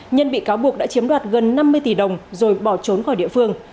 nhân bị cáo buộc đã chiếm đoạt gần năm mươi tỷ đồng rồi bỏ trốn khỏi địa phương